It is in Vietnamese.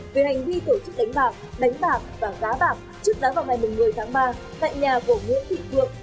về hành vi tổ chức đánh bạc đánh bạc và gá bạc trước đó vào ngày một mươi tháng ba tại nhà của nguyễn thị phượng